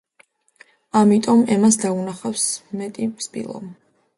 ამიტომ, ემას დაუნახავს მეტი სპილო.